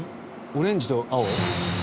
オレンジと青？